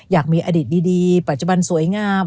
อยากมีอดีตดีปัจจุบันสวยงาม